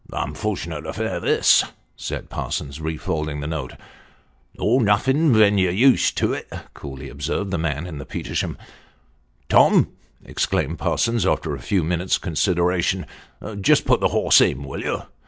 " Unfortunate affair this !" said Parsons, refolding the note. " Oh ! nothin' ven you're used to it," coolly observed the man in the Petersham. " Tom !" exclaimed Parsons, after a few minutes' consideration, "just put the horse in, will you